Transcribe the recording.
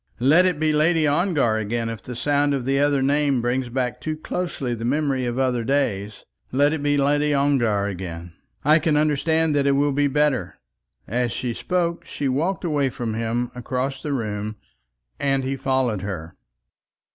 Let it be Lady Ongar again if the sound of the other name brings back too closely the memory of other days. Let it be Lady Ongar again. I can understand that it will be better." As she spoke she walked away from him across the room, and he followed her.